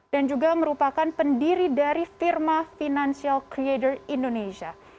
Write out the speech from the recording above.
dan juga merupakan pendiri dari firma financial creator indonesia